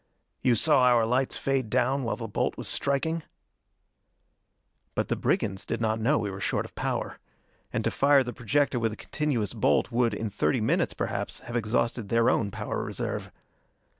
You saw our lights fade down while the bolt was striking?" But the brigands did not know we were short of power. And to fire the projector with a continuous bolt would, in thirty minutes, perhaps, have exhausted their own power reserve.